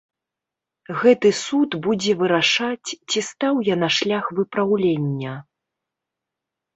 Гэты суд будзе вырашаць, ці стаў я на шлях выпраўлення.